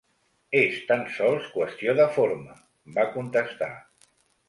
'És tan sols qüestió de forma', va contestar.